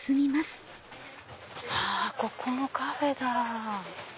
ここもカフェだ。